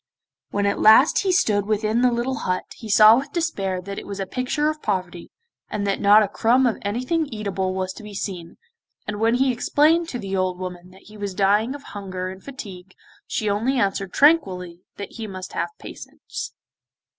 When at last he stood within the little hut he saw with despair that it was a picture of poverty, and that not a crumb of anything eatable was to be seen, and when he explained to the old woman that he was dying of hunger and fatigue she only answered tranquilly that he must have patience.